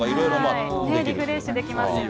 リフレッシュできますよね。